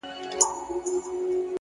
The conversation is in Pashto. زحمت د خوبونو قیمت دی.!